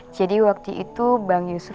jadi waktu itu bang yusuf